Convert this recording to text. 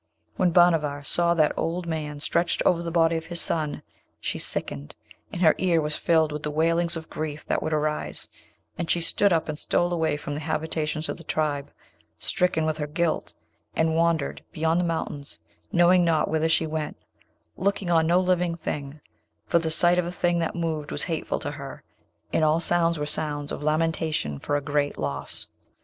When Bhanavar saw that old man stretched over the body of his son, she sickened, and her ear was filled with the wailings of grief that would arise, and she stood up and stole away from the habitations of the tribe, stricken with her guilt, and wandered beyond the mountains, knowing not whither she went, looking on no living thing, for the sight of a thing that moved was hateful to her, and all sounds were sounds of lamentation for a great loss.